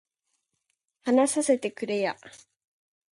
話させてくれや